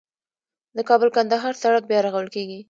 د کابل - کندهار سړک بیا رغول کیږي